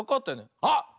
あっ！